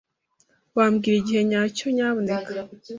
Wambwira igihe nyacyo, nyamuneka?